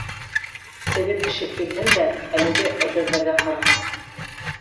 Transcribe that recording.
Теге кеше килһен дә әлеге әйберҙәргә ҡараһын.